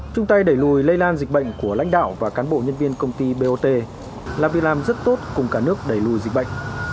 trung tay đẩy lùi lây lan dịch bệnh của lãnh đạo và cán bộ nhân viên công ty bot là việc làm rất tốt cùng cả nước đẩy lùi dịch bệnh